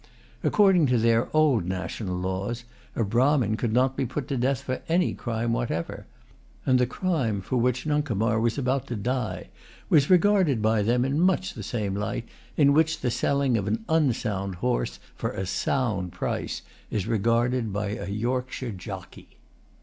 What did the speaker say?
According to their old national laws, a Brahmin could not be put to death for any crime whatever. And the crime for which Nuncomar was about to die was regarded by them in much the same light in which the selling of an unsound horse for a sound price is regarded by a Yorkshire jockey.